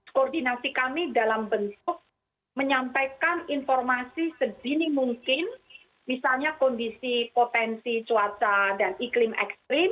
koordinasi kami dalam bentuk menyampaikan informasi sedini mungkin misalnya kondisi potensi cuaca dan iklim ekstrim